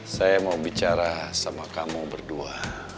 saya mau bicara sama kamu berdua